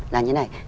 là như thế này